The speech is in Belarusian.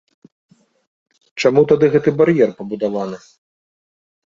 Чаму тады гэты бар'ер пабудаваны?